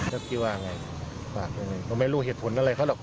เจ้ากี้ว่าไงว่าไม่รู้เหตุผลอะไรเขาหรอก